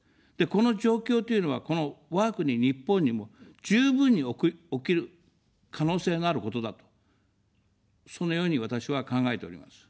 この状況というのは、この我が国、日本にも十分に起きる可能性があることだと、そのように私は考えております。